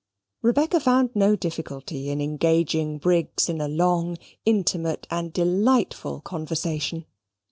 Rebecca found no difficulty in engaging Briggs in a long, intimate, and delightful conversation.